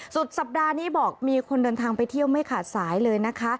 สุดสัปดาห์นี้บอกมีคนเดินทางไปเที่ยวไม่ขาดสายเลยนะคะ